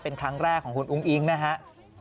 เป็นครั้งแรกของคุณอุ้งอิ๊งนะฮะ